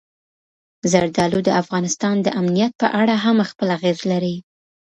زردالو د افغانستان د امنیت په اړه هم خپل اغېز لري.